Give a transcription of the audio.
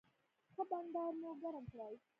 ښه بنډار مو ګرم کړی و.